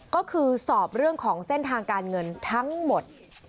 ก็คือสอบเรื่องของเส้นทางการเงินทั้งหมด